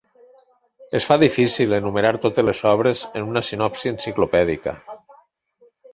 Es fa difícil enumerar totes les obres en una sinopsi enciclopèdica.